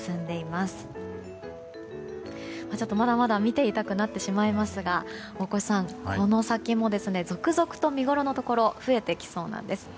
まだまだ見ていたくなってしまいますが大越さん、この先も続々と見ごろのところが増えてきそうなんです。